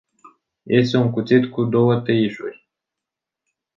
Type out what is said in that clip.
Este un cuțit cu două tăișuri.